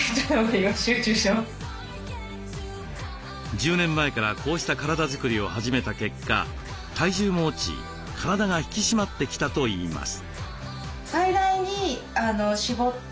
１０年前からこうした体づくりを始めた結果体重も落ち体が引き締まってきたといいます。